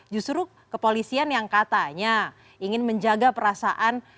justru kepolisian yang katanya ingin menjaga perasaan